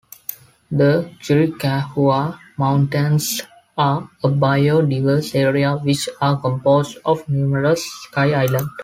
The Chiricahua Mountains are a bio-diverse area which are composed of numerous sky islands.